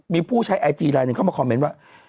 มีผู้ใช้ไอจีลายหนึ่งเข้ามาคอมเมนต์ว่า